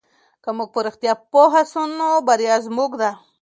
که موږ په رښتیا پوه سو نو بریا زموږ ده.